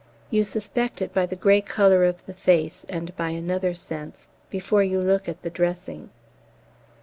You suspect it by the grey colour of the face and by another sense, before you look at the dressing.